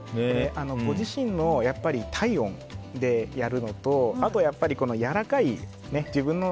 ご自身の体温でやるのとやっぱりやわらかい自分の。